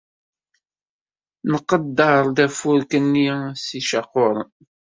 Nqedder-d afurk-nni s yicaquren.